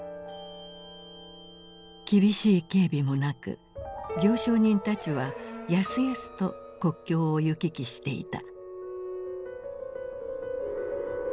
厳しい警備もなく行商人たちはやすやすと国境を行き来していた。